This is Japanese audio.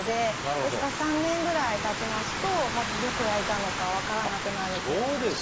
ですから３年ぐらいたちますとどこ焼いたのか分からなくなるっていう感じですね。